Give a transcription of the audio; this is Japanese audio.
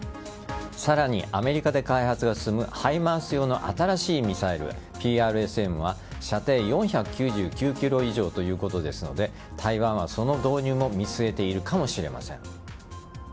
さらにアメリカで開発が進むＨＩＭＡＲＳ用の新しいミサイルＰｒＳＭは射程４９９ｋｍ以上ということですので台湾はその導入も見据えているかもしれません。